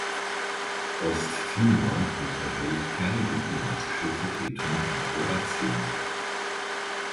Osttimor unterhält keine diplomatische Vertretung in Kroatien.